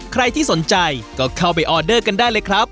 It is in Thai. ใครที่สนใจก็เข้าไปออเดอร์กันได้เลยครับ